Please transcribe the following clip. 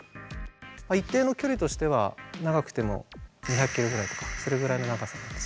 一定の距離としては長くても２００ｋｍぐらいとかそれぐらいの長さなんです。